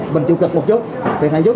mình chịu cực một chút